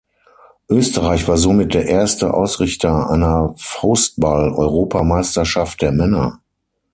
Österreich war somit der erste Ausrichter einer Faustball-Europameisterschaft der Männer.